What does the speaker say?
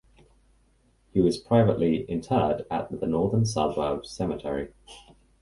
He was privately interred at the Northern Suburbs Cemetery.